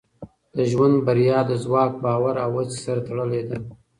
د ژوند بریا د ځواک، باور او هڅې سره تړلې ده.